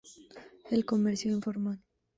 El Comercio informal.